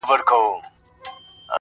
چي پر سر د دې غريب دئ كښېنستلى،